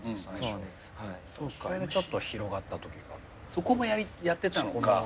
そこもやってたのか。